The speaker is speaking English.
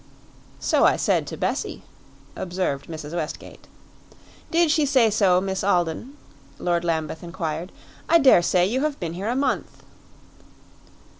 "So I said to Bessie," observed Mrs. Westgate. "Did she say so, Miss Alden?" Lord Lambeth inquired. "I daresay you have been here a month."